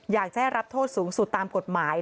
อยากจะให้รับโทษสูงสุดตามกฎหมาย